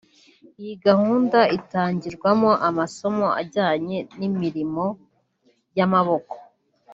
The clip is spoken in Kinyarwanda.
Iyi gahunda itangirwamo amasomo ajyanye n’imirimo y’amaboko